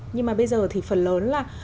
nhưng mà bây giờ thì phần lớn là